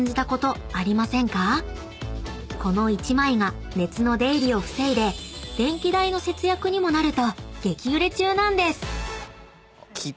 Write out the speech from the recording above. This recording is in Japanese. ［この１枚が熱の出入りを防いで電気代の節約にもなると激売れ中なんです］